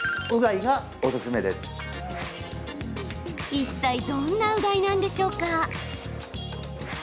いったいどんな、うがいなんでしょうか？